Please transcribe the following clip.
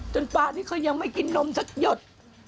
ปลานี่เขายังไม่กินนมสักหยด